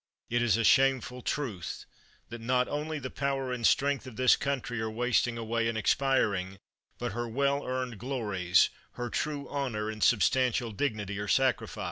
It is a shameful truth, that not only the power and strength of this country are wasting away and expiring, but her well earned glories, her true honor, and sub stantial dignity are sacrificed.